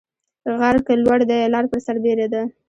غر که لوړ دى ، لار پر سر بيره ده.